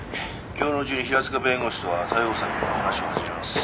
今日のうちに平塚弁護士とは対応策の話を始めます。